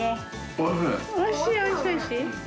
おいしい、おいしい。